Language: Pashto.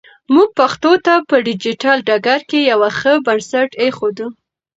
موږ پښتو ته په ډیجیټل ډګر کې یو ښه بنسټ ایږدو.